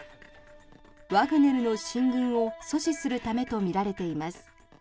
ワグネルの進軍を阻止するためとみられています。